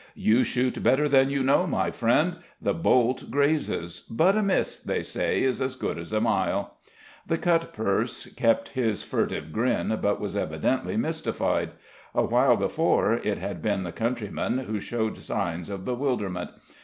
"You shoot better than you know, my friend: the bolt grazes. But a miss, they say, is as good as a mile." The cutpurse kept his furtive grin, but was evidently mystified. A while before it had been the countryman who showed signs of bewilderment.